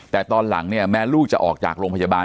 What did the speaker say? แต่ตอนหลังเนี่ยแม้ลูกจะออกจากโรงพยาบาล